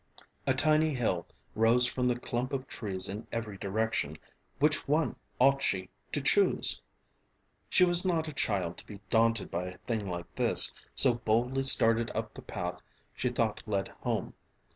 A tiny hill rose from the clump of trees in every direction, which one ought she to choose? She was not a child to be daunted by a thing like this, so boldly started up the path she thought led home.